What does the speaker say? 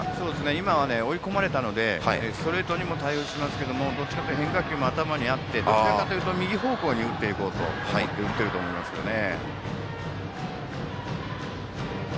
今のは追い込まれたのでストレートにも対応しますけどどちらかというと変化球も頭にあって、どちらかというと右方向に打っていこうと思って打っていると思いますね。